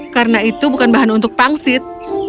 karena itu bukan bahan untuk pangsit